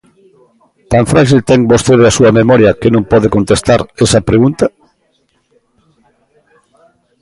¿Tan fráxil ten vostede a súa memoria que non pode contestar esa pregunta?